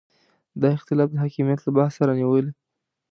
دا اختلاف د حکمیت له بحثه رانیولې.